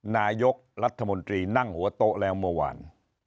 นายกรัฐมนตรีนั่งหัวโต๊ะแล้วเมื่อวาน